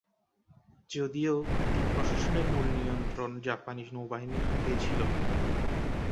যদিও, দ্বীপ প্রশাসনের মূল নিয়ন্ত্রণ জাপানি নৌবাহিনীর হাতেই ছিল।